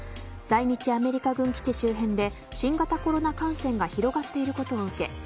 在日アメリカ軍基地周辺で新型コロナ感染が広がっていることを受け